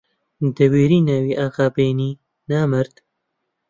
دەوێری ناوی ئاغا بێنی نامەرد!